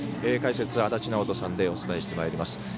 解説、足達尚人さんでお伝えをしてまいります。